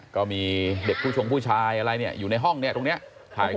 ก็มีเด็กผู้ชงผู้ชายอะไรเนี่ยอยู่ในห้องเนี่ยตรงนี้